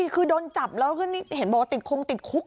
คือโดนจับแล้วก็เห็นบอกว่าติดคงติดคุก